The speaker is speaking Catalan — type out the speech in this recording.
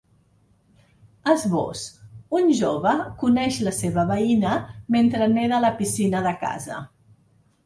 Esbós: Un jove coneix la seva veïna mentre neda a la piscina de casa.